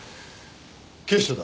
警視庁だ。